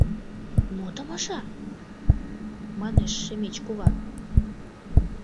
— Мо томаша? — манеш Шемеч кува.